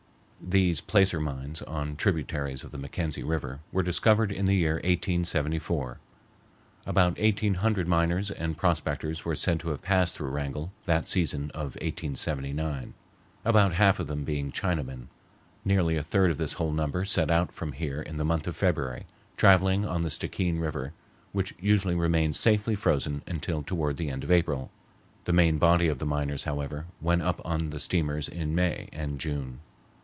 These placer mines, on tributaries of the Mackenzie River, were discovered in the year 1874. About eighteen hundred miners and prospectors were said to have passed through Wrangell that season of 1879, about half of them being Chinamen. Nearly a third of this whole number set out from here in the month of February, traveling on the Stickeen River, which usually remains safely frozen until toward the end of April. The main body of the miners, however, went up on the steamers in May and June.